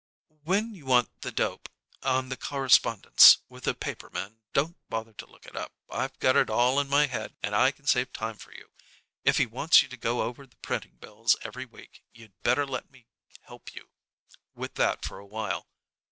"When you want the dope on the correspondence with the paper men, don't bother to look it up. I've got it all in my head, and I can save time for you. If he wants you to go over the printing bills every week, you'd better let me help you with that for a while.